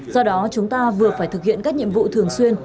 do đó chúng ta vừa phải thực hiện các nhiệm vụ thường xuyên